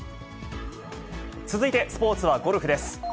続いてスポーツはゴルフです。